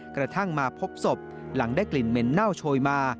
กระทั่งมาพบศพหลังได้กลิ่นเหม็นเน่าโชยมา